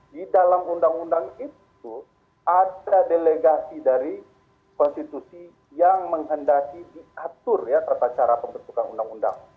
di dalam undang undang itu ada delegasi dari konstitusi yang menghendaki diatur ya tata cara pembentukan undang undang